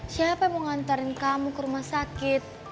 siapa yang mau ngantarin kamu ke rumah sakit